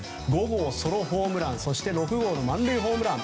５号ソロホームランそして６号満塁ホームラン。